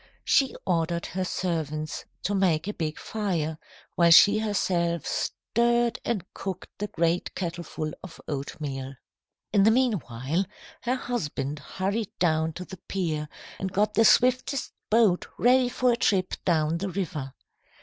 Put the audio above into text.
She ordered her servants to make a big fire, while she herself stirred and cooked the great kettleful of oatmeal. "In the meanwhile, her husband hurried down to the pier, and got his swiftest boat ready for a trip down the river.